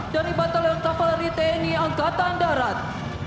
dari batalion tavaleri tni angkatan darat